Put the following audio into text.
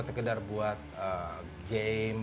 sekedar buat game